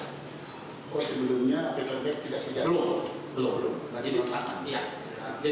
oh sebelumnya paper bag tidak sejajar